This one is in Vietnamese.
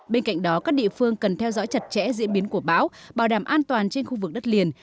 bên cạnh đó các địa phương cần theo dõi chặt chẽ diễn biến của bão bảo đảm an toàn trên khu vực đất liền